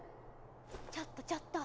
ちょっとちょっと。